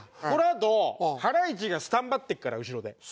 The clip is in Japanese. このあとハライチがスタンバってるから後ろで。